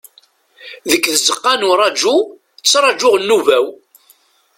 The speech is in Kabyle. Deg tzeqqa n uraju, ttrajuɣ nnuba-w.